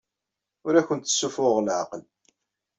Ur awent-ssuffuɣeɣ leɛqel.